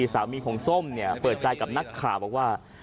สามีของส้มเนี่ยเปิดใจกับนักข่าวบอกว่า